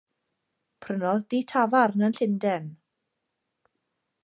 Prynodd dŷ tafarn yn Llundain.